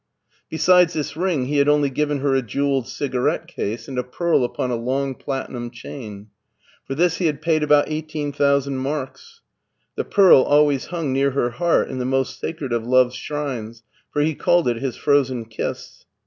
Besides this ring he had only given her a jewelled cigarette case and a pearl upon a long platinum chain. For this he had paid about eighteen thousand marks. The pearl always hung near her heart in the most sacred of love's shrines, for he called it his frozen kiss.